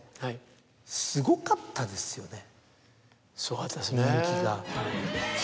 すごかったですね。